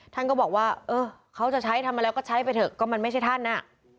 ท่านก็บอกว่าเออเขาจะใช้ทำอะไรก็ใช้ไปเถอะก็มันไม่ใช่ท่านอ่ะ